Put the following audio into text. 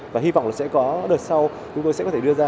và hy vọng là sẽ có đợt sau chúng tôi sẽ có thể đưa ra